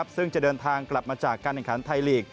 ซึ่งจะเดินทางกลับมาจากการแข่งขันไทยลีก